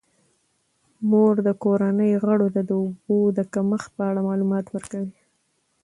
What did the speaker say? مور د کورنۍ غړو ته د اوبو د کمښت په اړه معلومات ورکوي.